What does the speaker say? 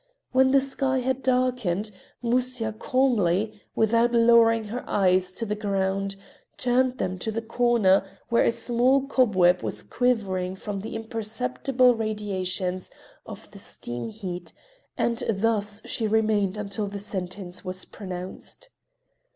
When the sky had darkened Musya calmly, without lowering her eyes to the ground, turned them to the corner where a small cobweb was quivering from the imperceptible radiations of the steam heat, and thus she remained until the sentence was pronounced.